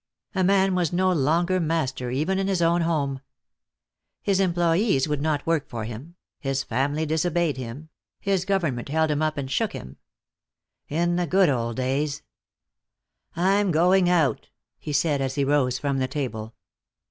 A man was no longer master even in his own home. His employees would not work for him, his family disobeyed him, his government held him up and shook him. In the good old days "I'm going out," he said, as he rose from the table.